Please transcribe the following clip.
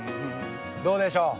どうでしょう？